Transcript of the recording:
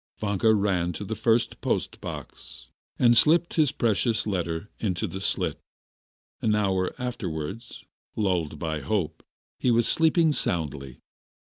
Vanka ran to the first post box and slipped his precious letter into the slit. An hour afterwards, lulled by hope, he was sleeping soundly.